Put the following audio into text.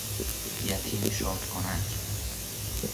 یتیم شاد کنک